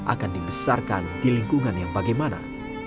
akan dibesarkan di lingkungan yang bagaimana